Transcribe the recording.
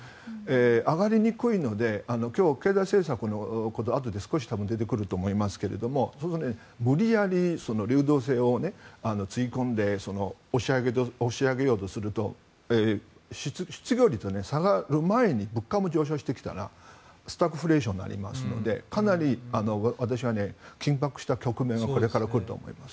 上がりにくいので今日、経済政策のことがあとで少し出てくると思いますが無理やり流動性をつぎ込んで押し上げようとすると失業率が下がる前に物価も上昇してきたらスタグフレーションになるのでかなり私は緊迫した局面がこれから来ると思います。